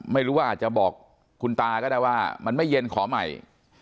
ไม่รู้ว่าอาจจะบอกคุณตาก็ได้ว่ามันไม่เย็นขอใหม่